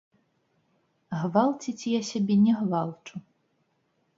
Гвалціць я сябе не гвалчу.